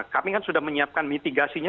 kami kan sudah menyiapkan mitigasinya